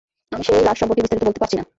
আমি সেই লাশ সম্পর্কে বিস্তারিত বলতে পারছি না।